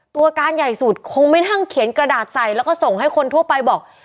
ตัวการใหญ่สุดคงไม่นั่งเขียนกระดาษใส่แล้วก็ส่งให้คนทั่วไปบอก